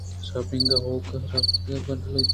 شپانکءَہُوکءَراگپتءُبَڈّءَلیٹینت